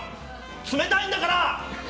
冷たいんだから！